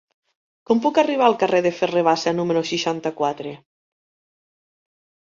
Com puc arribar al carrer de Ferrer Bassa número seixanta-quatre?